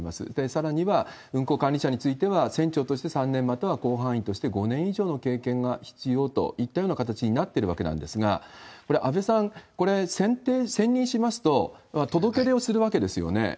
さらには、運航管理者については、船長として３年、または甲板員として５年以上の経験が必要といったような形になってるわけですが、これ、安倍さん、これ、選任しますと、届け出をするわけですよね。